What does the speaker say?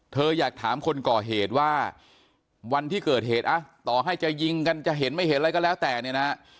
เธออยากถามคนก่อเหตุว่าวันที่เกิดเหตุต่อให้จะยิงกันจะเห็นไม่เห็นอะไรก็แล้วแต่เนี่ยนะ